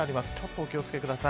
お気を付けください。